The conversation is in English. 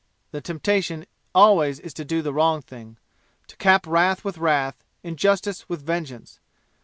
The temptation always is to do the wrong thing to cap wrath with wrath, injustice with vengeance.